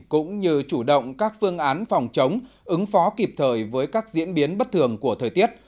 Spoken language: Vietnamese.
cũng như chủ động các phương án phòng chống ứng phó kịp thời với các diễn biến bất thường của thời tiết